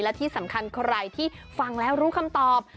และที่สำคัญใครที่ฟังแล้วรู้คำตอบ